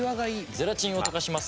ゼラチンを溶かします。